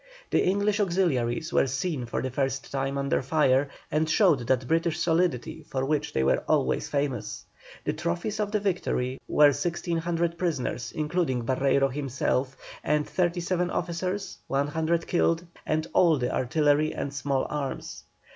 The English auxiliaries were seen for the first time under fire, and showed that British solidity for which they were always famous. The trophies of the victory were 1,600 prisoners, including Barreiro himself, and 37 officers, 100 killed, and all the artillery and small arms.